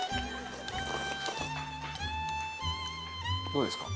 どうですか？